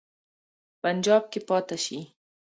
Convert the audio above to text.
په پنجاب کې پاته شي.